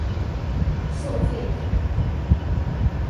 圣费利。